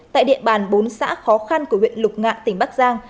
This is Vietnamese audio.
tại địa bàn bốn xã khó khăn của huyện lục ngạn tỉnh bắc giang